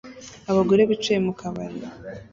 Abagore bicaye mu kabari